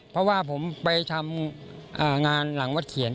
เพราะว่าผมไปทำงานหลังวัดเขียน